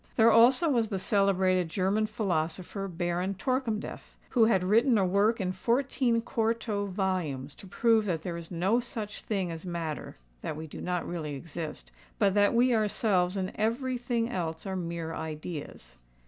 There also was the celebrated German philosopher Baron Torkemdef, who had written a work in fourteen quarto volumes to prove that there is no such thing as matter—that we do not really exist—but that we ourselves and every thing else are mere ideas.